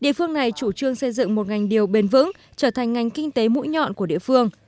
địa phương này chủ trương xây dựng một ngành điều bền vững trở thành ngành kinh tế mũi nhọn của địa phương